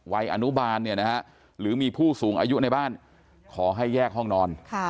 วัยอนุบาลหรือมีผู้สูงอายุในบ้านขอให้แยกห้องนอน